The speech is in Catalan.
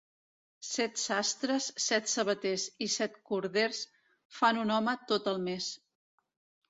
Set sastres, set sabaters i set corders fan un home tot el més.